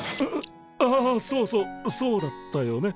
ああそうそうそうだったよね。